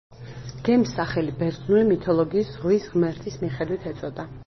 გემს სახელი ბერძნული მითოლოგიის ზღვის ღმერთის მიხედვით ეწოდა.